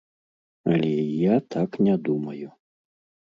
Але я так не думаю.